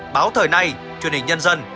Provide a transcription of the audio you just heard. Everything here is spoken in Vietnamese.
báo thời nay truyền hình nhân dân